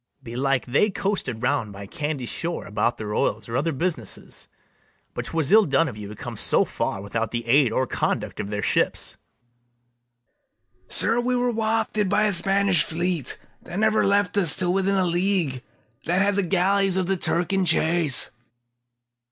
BARABAS. Belike they coasted round by Candy shore About their oils or other businesses. But 'twas ill done of you to come so far Without the aid or conduct of their ships. SECOND MERCHANT. Sir, we were wafted by a Spanish fleet, That never left us till within a league, That had the galleys of the Turk in chase. BARABAS.